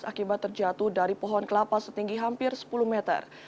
akibat terjatuh dari pohon kelapa setinggi hampir sepuluh meter